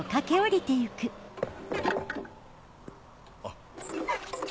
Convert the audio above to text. あっ。